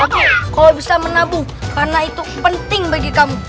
oke kalo bisa menabuh karena itu penting bagi kamu